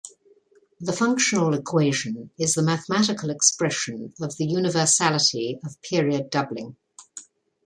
The functional equation is the mathematical expression of the universality of period doubling.